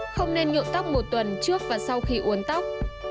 không nên nhộn tóc một tuần trước và sau khi uốn tóc